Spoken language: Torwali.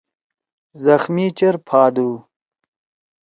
ذخمی چیر پھادُو۔